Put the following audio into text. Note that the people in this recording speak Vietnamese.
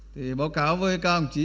thì báo cáo với cao ổng chí